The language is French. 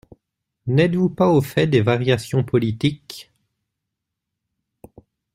N'êtes-vous pas au fait des variations politiques.